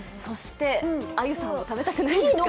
あゆさんも食べたくないですか？